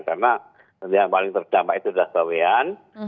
karena yang paling terdampak itu adalah bawian